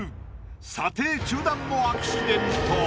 査定中断のアクシデント。